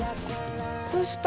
どうした？